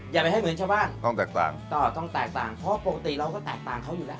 อย่าไปให้เหมือนชาวบ้านต้องแตกต่างก็ต้องแตกต่างเพราะปกติเราก็แตกต่างเขาอยู่แล้ว